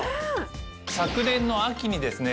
昨年の秋にですね